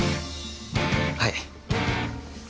はい。